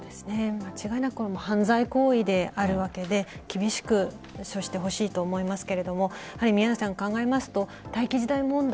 間違いなく犯罪行為であるわけで厳しく処してほしいと思いますがやはり、考えますと待機児童問題。